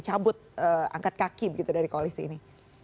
cabut angkat kaki begitu dari koalisi ini